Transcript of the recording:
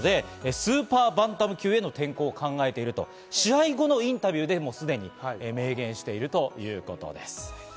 バンタム級で４つ取れましたので、スーパーバンタム級への転向を考えていると、試合後のインタビューですでに明言しているということです。